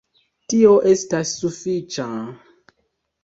Tio estas sufiĉa...